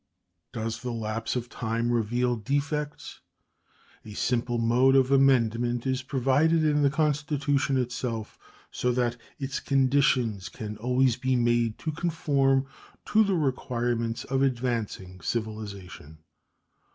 Does the lapse of time reveal defects? A simple mode of amendment is provided in the Constitution itself, so that its conditions can always be made to conform to the requirements of advancing civilization.